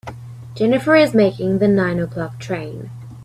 Jennifer is making the nine o'clock train.